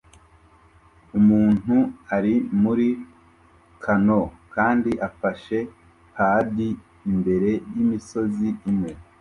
Umuntu ari muri conoe kandi afashe padi imbere yimisozi imwe